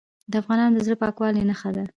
د افغانانو د زړه پاکوالي نښه ده.